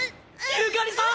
ユカリさん！